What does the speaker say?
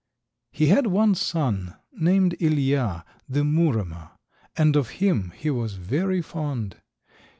He had one son named Ilija, the Muromer, and of him he was very fond.